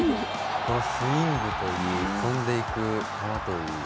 スイングといい、飛んでいく球といい。